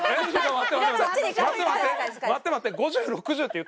待って待って。